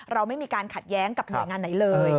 เราไม่มีการขัดแย้งกับหน่วยงานไหนเลย